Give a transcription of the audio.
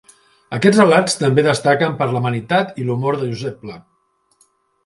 Aquests relats també destaquen per l'amenitat i l'humor de Josep Pla.